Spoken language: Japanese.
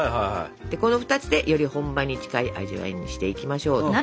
この２つでより本場に近い味わいにしていきましょう。